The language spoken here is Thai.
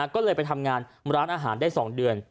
ก็เลยไปทำงานร้านอาหารได้๒เดือน